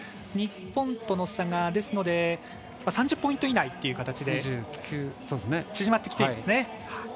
日本との差が３０ポイント以内という形で縮まってきていますね。